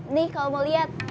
nih kalau mau lihat